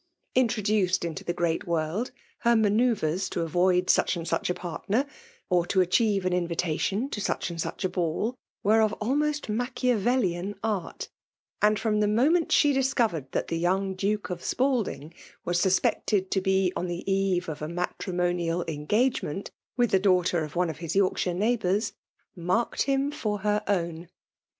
Introduced into the great world, her manccuvres to avoid such and such a partner, or to achieve an invitation to sucli or such a ball, were of almost Machiavel Han art ; and from the moment she discovered ihat the young Duke of Sj^alding was suspected to 'he on the eve of a matrimonial engag^ ment with the daughter of one of his York. sKire neighbours — marked him for her own